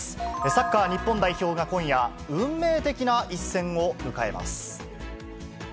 サッカー日本代表が今夜、運命的な一戦を迎えます。